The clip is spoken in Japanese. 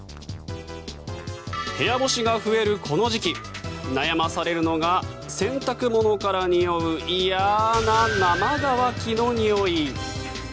部屋干しが増えるこの時期悩まされるのが洗濯物からにおう嫌な生乾きのにおい。